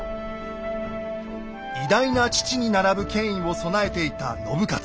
偉大な父に並ぶ権威を備えていた信雄。